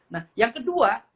nah yang kedua